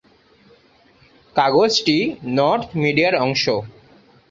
কাগজটি নর্থ মিডিয়ার অংশ।